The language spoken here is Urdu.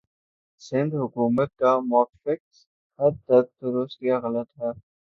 سندھ حکومت کا موقفکس حد تک درست یا غلط ہے